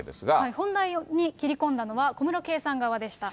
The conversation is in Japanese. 本題に切り込んだのは小室圭さん側でした。